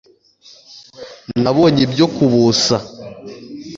Nabonye ibyo kubusa